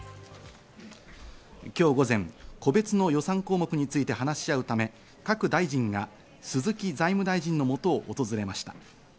今日午前、個別の予算項目について話し合うため、各大臣が鈴木財務大臣の元を訪れました。